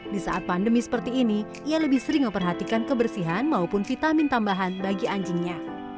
di saat pandemi seperti ini ia lebih sering memperhatikan kebersihan maupun vitamin tambahan bagi anjingnya